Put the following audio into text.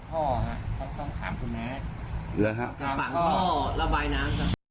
ต้องขามคุณแม็กซ์เลยครับของพ่อระบายน้ำ